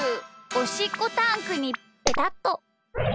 おしっこタンクにペタッと。